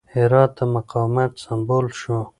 هرات د مقاومت سمبول شو.